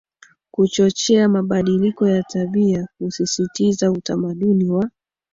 kuchochea mabadiliko ya tabia kusisitiza utamaduni wa